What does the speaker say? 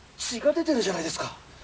血が出てるじゃないですか！